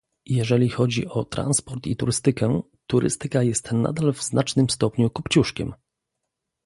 Jeżeli chodzi o transport i turystykę, turystyka jest nadal w znacznym stopniu Kopciuszkiem